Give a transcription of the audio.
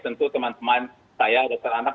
tentu teman teman saya dokter anak